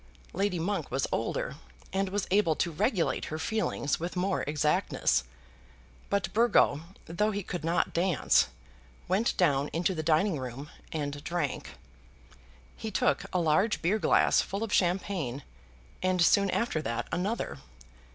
Lady Monk was older, and was able to regulate her feelings with more exactness. But Burgo, though he could not dance, went down into the dining room and drank. He took a large beer glass full of champagne and soon after that another.